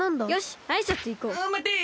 まて！